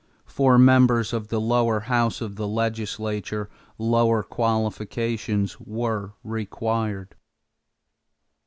For members of the lower house of the legislature lower qualifications were required.